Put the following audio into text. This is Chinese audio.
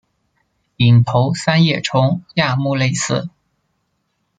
隐头三叶虫亚目类似。